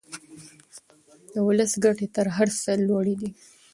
د ولس ګټې تر هر څه لوړې دي.